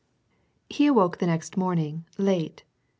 He awoke the next morning, late.